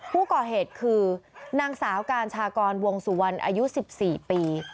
ผู้ก่อเหตุคือนางสาวการชากรวงสุวรรณอายุ๑๔ปี